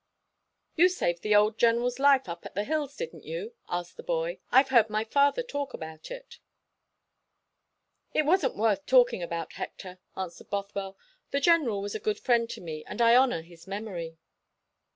You saved the old General's life up at the hills, didn't you?" asked the boy. "I've heard my father talk about it." "It wasn't worth talking about, Hector," answered Bothwell. "The General was a good friend to me, and I honour his memory."